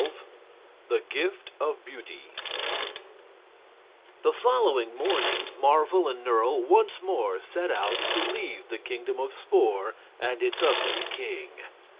The Gift of Beauty The following morning Marvel and Nerle once more set out to leave the Kingdom of Spor and its ugly king.